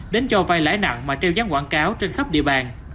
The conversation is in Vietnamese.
đến cho vai lãi nặng mà treo dáng quảng cáo trên khắp địa bàn